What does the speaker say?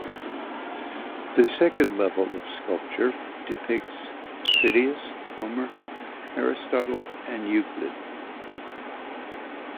The second level of sculpture depicts Phidias, Homer, Aristotle, and Euclid.